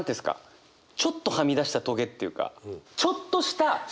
ちょっとはみ出したトゲっていうかちょっとした。